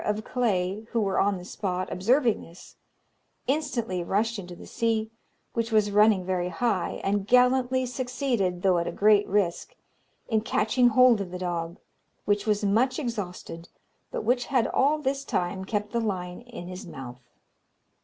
of Clay, who were on the spot, observing this, instantly rushed into the sea, which was running very high, and gallantly succeeded, though at a great risk, in catching hold of the dog, which was much exhausted, but which had all this time kept the line in his mouth.